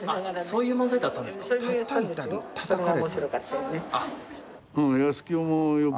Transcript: そういうのをやったんですよ。